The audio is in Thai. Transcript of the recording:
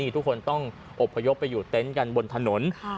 ทุกคนต้องอบพยพไปอยู่เต็นต์กันบนถนน